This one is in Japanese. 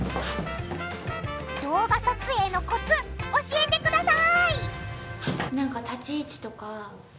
動画撮影のコツ教えてください！